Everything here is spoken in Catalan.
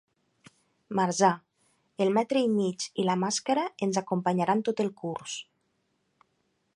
Marzà: ‘El metre i mig i la màscara ens acompanyaran tot el curs’